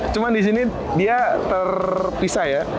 cuman disini dia terpisah ya